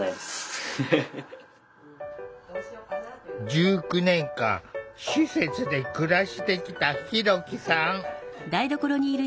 １９年間施設で暮らしてきたひろきさん。